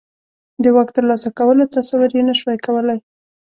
د واک ترلاسه کولو تصور یې نه شوای کولای.